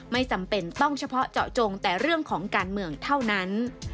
ไม่จำเป็นต้องเฉพาะเจาะจงแต่เรื่องของการเมืองเท่านั้น